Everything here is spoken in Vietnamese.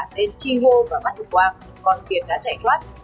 nên chi hô và bắt được quang còn kiệt đã chạy thoát